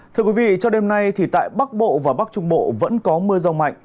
thưa quý vị cho đêm nay thì tại bắc bộ và bắc trung bộ vẫn có mưa rông mạnh